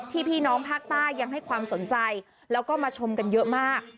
พี่น้องภาคใต้ยังให้ความสนใจแล้วก็มาชมกันเยอะมาก